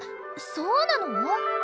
そうなの？